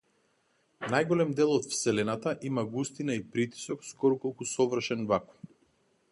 Најголем дел од вселената има густина и притисок скоро колку совршен вакуум.